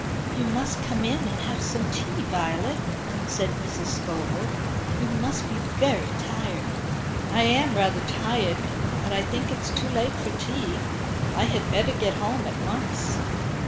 "You must come in and have some tea, Violet," said Mrs. Scobel. "You must be very tired." "I am rather tired; but I think it's too late for tea. I had better get home at once."